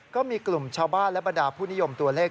ก็มีกลุ่มชาวบ้านและบรรดาผู้นิยมตัวเลข